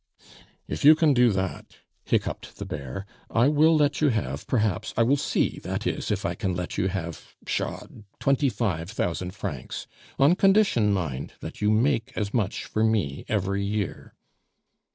"If you can do that," hiccoughed the "bear," "I will let you have, perhaps I will see, that is, if I can let you have pshaw! twenty five thousand francs. On condition, mind, that you make as much for me every year."